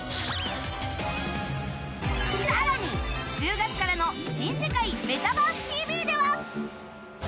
さらに１０月からの『新世界メタバース ＴＶ！！』では